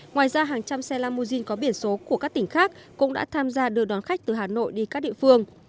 ngoài ra hàng trăm xe limousine có biển số của các tỉnh khác cũng đã tham gia đưa đón khách từ hà nội đi các địa phương